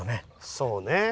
そうね。